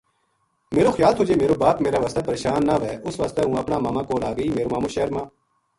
میرو خیال تھو جے میرو باپ میرے واسطے پرشان نہ وھے اس واسطے ہوں اپنا ما ما کول آ گئی میرو مامو شہر ما ر